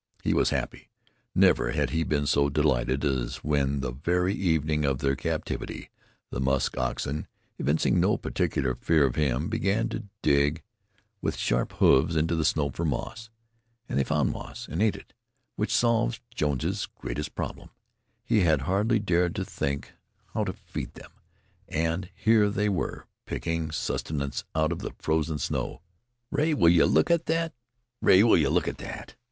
He was happy. Never had he been so delighted as when, the very evening of their captivity, the musk oxen, evincing no particular fear of him, began to dig with sharp hoofs into the snow for moss. And they found moss, and ate it, which solved Jones's greatest problem. He had hardly dared to think how to feed them, and here they were picking sustenance out of the frozen snow. "Rea, will you look at that! Rea, will you look at that!"